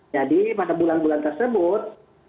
jadi pada bulan bulan tersebut